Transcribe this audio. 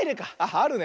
あるね。